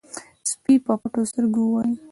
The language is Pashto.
سپي په پټو سترګو وويل: